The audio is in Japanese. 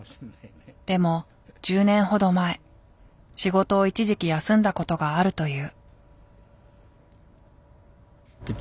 でも１０年ほど前仕事を一時期休んだことがあるという。